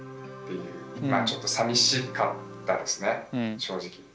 まあちょっとさみしかったですね正直。